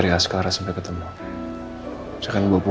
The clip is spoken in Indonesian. ini cuma satu